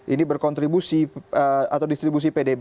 ini berkontribusi atau distribusi pdb